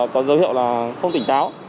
có dấu hiệu là không tỉnh táo